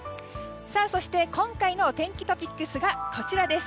そして、今回のお天気トピックスがこちらです。